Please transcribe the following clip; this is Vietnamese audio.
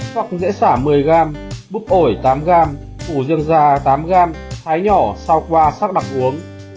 hoặc dễ xả một mươi g búp ổi tám g củ dương da tám g thái nhỏ sau qua sắc đặc uống